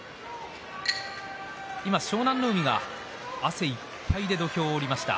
今、湘南乃海が汗いっぱいで土俵を下りました。